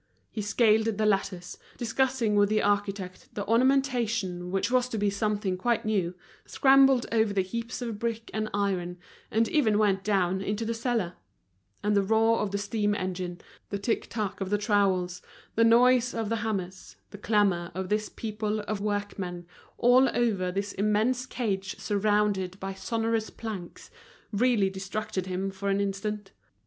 He scaled the ladders, discussing with the architect the ornamentation which was to be something quite new, scrambled over the heaps of brick and iron, and even went down into the cellar; and the roar of the steam engine, the tic tac of the trowels, the noise of the hammers, the clamor of this people of workmen, all over this immense cage surrounded by sonorous planks, really distracted him for an instant.